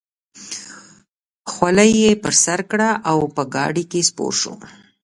خولۍ یې پر سر کړه او په ګاډۍ کې سپور شو.